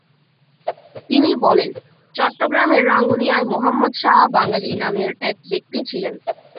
তিনি বলেন, চট্টগ্রামের রাঙ্গুনিয়ায় মোহাম্মদ শাহ বাঙালি নামের এক ব্যক্তি ছিলেন।